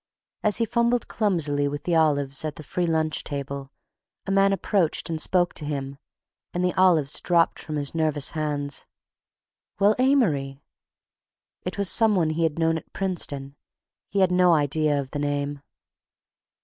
As he fumbled clumsily with the olives at the free lunch table, a man approached and spoke to him, and the olives dropped from his nervous hands. "Well, Amory..." It was some one he had known at Princeton; he had no idea of the name.